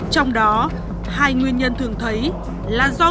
trong đó hai nguyên nhân thường gây ra